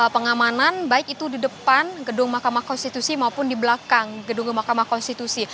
pengamanan baik itu di depan gedung mahkamah konstitusi maupun di belakang gedung mahkamah konstitusi